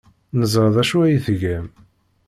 Neẓra d acu ay tgam.